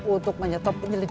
untuk menyetop penyelidikan